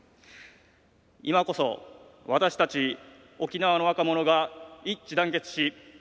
今こそ私たち沖縄の若者が一致団結し。